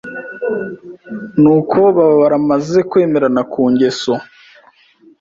ni uko baba baramaze kwemerana ku ngeso